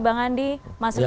bang andi mas rizdi mas wadid